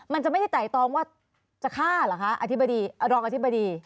มันจะไม่ได้ไต่ตองว่าจะฆ่าเหรอคะอธิบดีรองอธิบดี